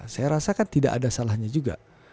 saya rasakan tidak ada salahnya juga